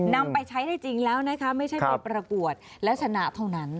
นำไปใช้ได้จริงแล้วนะคะไม่ใช่ไปประกวดและชนะเท่านั้น